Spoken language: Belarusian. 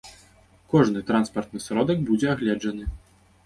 Кожны транспартны сродак будзе агледжаны.